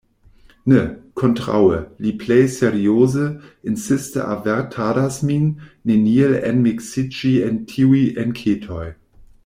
Ne, kontraŭe, li plej serioze, insiste avertadas min, neniel enmiksiĝi en tiuj enketoj.